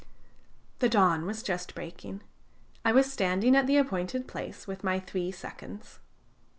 "The dawn was just breaking. I was standing at the appointed place with my three seconds.